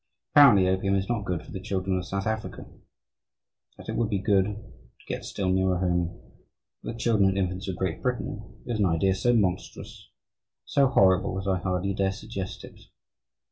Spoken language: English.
'" Apparently opium is not good for the children of South Africa. That it would be good (to get still nearer home) for the children and infants of Great Britain, is an idea so monstrous, so horrible, that I hardly dare suggest it.